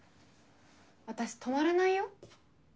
私泊まらないよ。